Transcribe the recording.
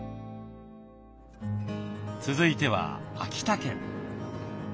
続いては秋田県。